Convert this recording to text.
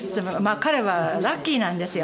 彼はラッキーなんですよ。